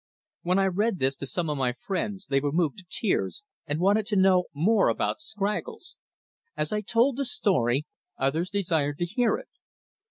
When I read this to some of my friends they were moved to tears and wanted to know more about Scraggles. As I told the story, others desired to hear it.